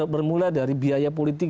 bermula dari biaya politik